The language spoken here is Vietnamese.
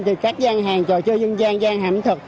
thì các gian hàng trò chơi dân gian gian hạm thực